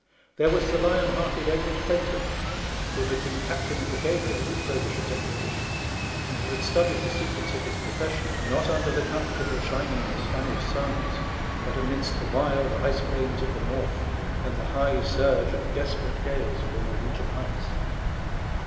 There was the lion hearted Edward Fenton, who had been captain of the Gabriel in Frobisher's expedition, and who had studied the secrets of his profession, not under the comfortable shining of Spanish suns, but amidst the wild ice plains of the north and the high surge and desperate gales of the Norwegian heights.